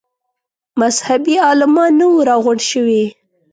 مذهبي عالمان نه وه راغونډ شوي.